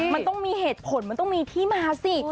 มันต้องมีเหตุผลมันต้องมีที่มาสิ